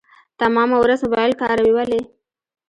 تمامه ورځ موبايل کاروي ولي .